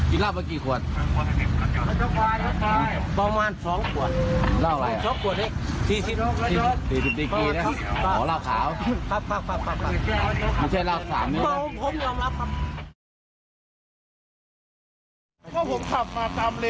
ว่าผมขับมาตามเลนของผมเหรอครับ